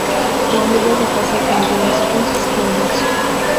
Su viuda se casó con James Fitz-James.